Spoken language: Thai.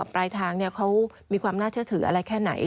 ปลายทางเขามีความน่าเชื่อถืออะไรแค่ไหน